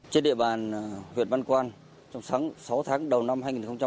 trên địa bàn huyện văn quan trong sáng sáu tháng đầu năm hai nghìn một mươi năm